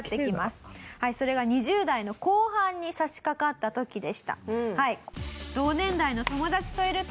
それが２０代の後半に差しかかった時でした。